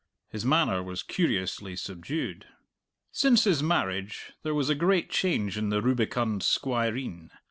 His manner was curiously subdued. Since his marriage there was a great change in the rubicund squireen.